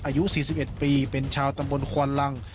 อายุ๔๑ปีเป็นชาวตำบลควนลัง